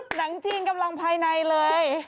หนังจีนกำลังภายในเลย